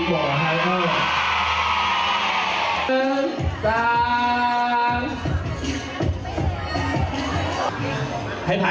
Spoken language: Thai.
วันสุดมาแล้วนะ